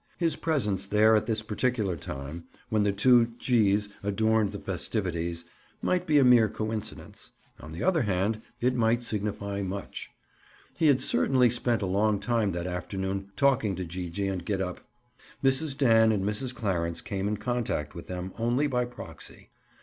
His presence there at this particular time—when the two G's adorned the festivities—might be a mere coincidence; on the other hand it might signify much. He had certainly spent a long time that afternoon talking to Gee gee and Gid up. Mrs. Dan and Mrs. Clarence came in contact with them only by proxy.